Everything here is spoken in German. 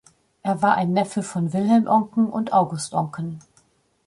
Er war ein Neffe von Wilhelm Oncken und August Oncken.